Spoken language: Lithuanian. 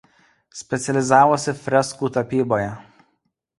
Specializavosi freskų tapyboje.